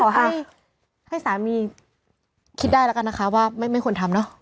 ขอให้สามีคิดได้แล้วกันนะคะว่าไม่ควรทำเนอะ